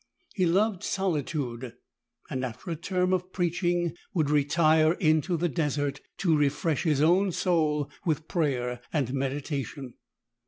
He loved solitude, and after a term of preach ing would retire into the desert to refresh his own soul with prayer and meditation.